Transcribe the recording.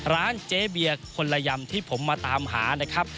ร้านเจ๊เบียร์คนละยำที่ผมมาตามหานะครับ